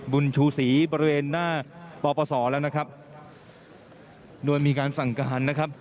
บุญชูศรีบริเวณหน้าปปศแล้วนะครับโดยมีการสั่งการนะครับ